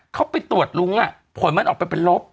เขาไปตรวจลุ้งผลมันออกไปเป็นลบ